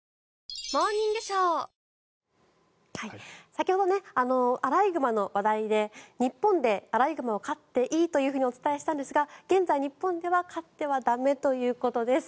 先ほどアライグマの話題で日本でアライグマを飼っていいというふうにお伝えしたんですが現在、日本では飼っては駄目ということです。